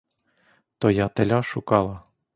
То я теля шукала.